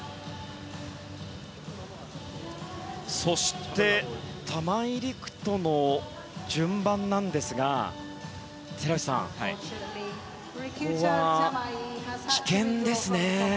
そして、玉井陸斗の順番なんですが寺内さん、棄権ですね。